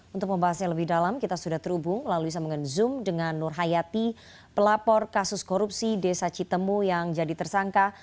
untuk membahasnya lebih dalam kita sudah terhubung melalui sambungan zoom dengan nur hayati pelapor kasus korupsi desa citemu yang jadi tersangka